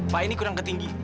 pak ini kurang ketinggi